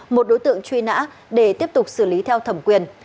một đối tượng truy nã để tiếp tục xử lý theo thẩm quyền